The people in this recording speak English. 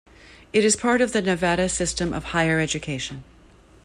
It is part of the Nevada System of Higher Education.